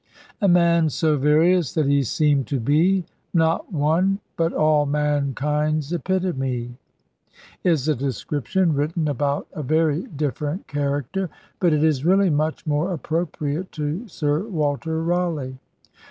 A man so various that he seemed to be Not one but all mankind's epitome is a description written about a very different character. But it is really much more appropriate to Sir Walter Raleigh.